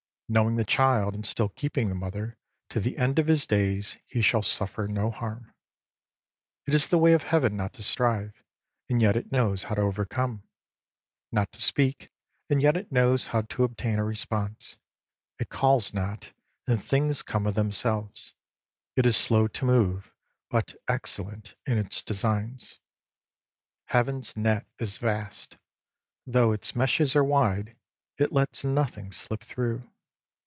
Know ing the Child and still keeping the Mother, to the end of his days he shall suffer no harm. It is the Way of Heaven not to strive, and yet it knows how to overcome ; not to speak, and yet it knows how to obtain a response ; it calls not, and things come of themselves ; it is slow to move, but excellent in its designs. Heaven's net is vast; though its meshes are wide, it lets nothing slip through.